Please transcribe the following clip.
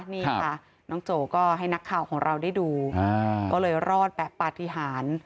นี่ค่ะน้องโจก็ให้นักข่าวของเราได้ดูก็เลยรอดแบบปฏิหาร